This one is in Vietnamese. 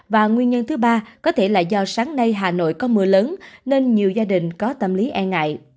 và nguyên nhân thứ ba có thể là do sáng nay hà nội có mưa lớn nên nhiều gia đình có tâm lý e ngại